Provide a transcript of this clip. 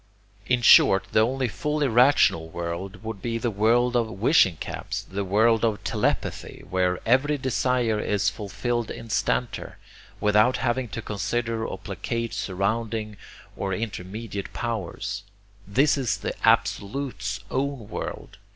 In short the only fully rational world would be the world of wishing caps, the world of telepathy, where every desire is fulfilled instanter, without having to consider or placate surrounding or intermediate powers. This is the Absolute's own world.